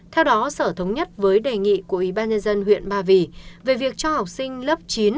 theo đó sở thống nhất với đề nghị của ybnd huyện ba vì về việc cho học sinh lớp chín